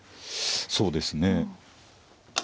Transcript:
そうですね。